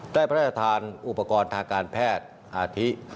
ได้ประทานอุปกรณ์ทางการแพทย์อาธิ